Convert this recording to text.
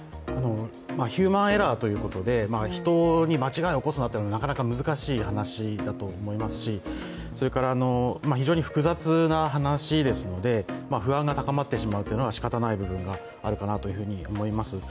ヒューマンエラーということで人に間違いを起こすなというのは、なかなか難しい話だと思いますし非常に複雑な話ですので不安が高まってしまうというのはしかたがない部分があるかなと思います。